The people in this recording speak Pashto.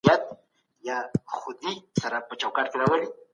ما ستا په پښتو خط کي یو کوچنی سمون وکړی.